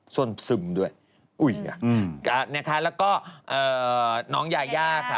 ส่วนซึมด้วยอุ้ยไงนะคะแล้วก็น้องยายาค่ะ